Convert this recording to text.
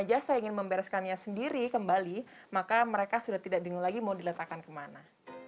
jasa ingin membereskannya sendiri kembali maka mereka sudah tidak diingat lagi mau diletakkan kemana